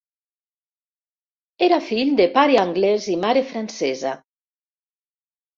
Era fill de pare anglès i mare francesa.